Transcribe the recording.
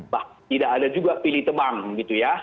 bah tidak ada juga pilih tebang